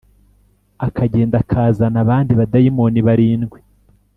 akagenda akazana abandi badayimoni barindwi